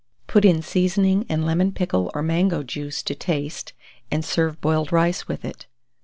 Put in seasoning and lemon pickle or mango juice to taste, and serve boiled rice with it.